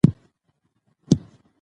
پوهه لرونکې مور د ماشوم ژوند ښه کوي.